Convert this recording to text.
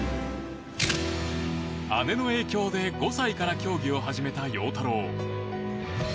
姉の影響で５歳から競技を始めた陽太郎。